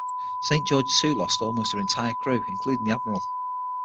"Saint George" too lost almost her entire crew, including the admiral.